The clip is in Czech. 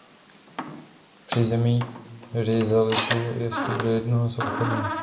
V přízemí rizalitu je vstup do jednoho z obchodů.